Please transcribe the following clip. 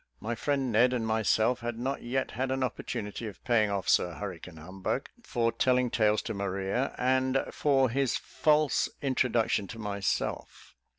My friend Ned and myself had not yet had an opportunity of paying off Sir Hurricane Humbug for telling tales to Maria, and for his false introduction to myself.